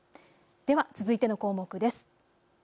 では続いての項目です。